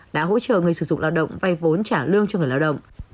đã hỗ trợ người sử dụng lao động vay vốn trả lương cho người lao động